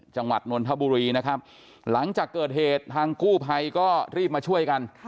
จังหวัดนนทบุรีนะครับหลังจากเกิดเหตุทางกู้ภัยก็รีบมาช่วยกัน